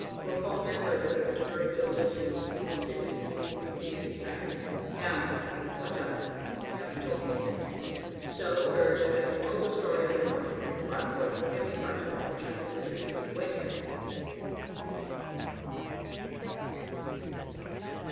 We're co members of the Tuberculosis League and the Civic League and the Peace Society. Now what's up? You haven't told me yet." So urged, I told the story of the morning and brought forth the heavy parchment which I had retrieved from the waste basket.